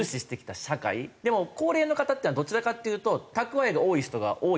でも高齢の方っていうのはどちらかっていうと蓄えが多い人が多いわけ。